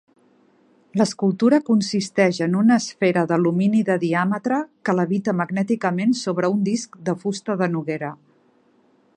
L'escultura consisteix en una esfera d'alumini de diàmetre que levita magnèticament sobre un disc de fusta de noguera.